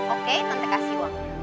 oke tante kasih uang